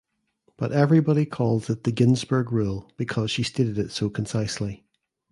But everybody calls it the Ginsburg rule because she stated it so concisely.